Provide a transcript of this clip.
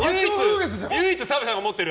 唯一澤部さんが持ってる。